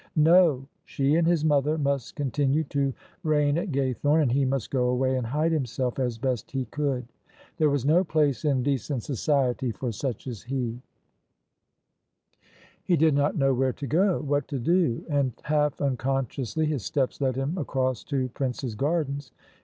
No: she and his mother must continue to reign at Gaythorne, and he must go away and hide himself as best he could. There was no place in decent society for such as he I He did not know where to go — ^what to do: and half unconsciously his steps led him across to Prince's Gardens.